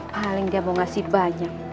paling dia mau ngasih banyak